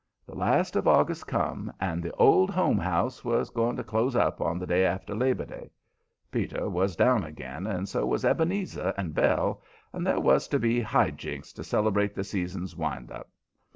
The last of August come and the "Old Home House" was going to close up on the day after Labor Day. Peter was down again, and so was Ebenezer and Belle, and there was to be high jinks to celebrate the season's wind up.